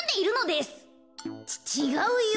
ちがうよ！